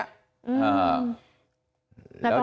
อืม